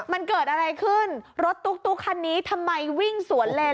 มันเกิดอะไรขึ้นรถตุ๊กคันนี้ทำไมวิ่งสวนเลน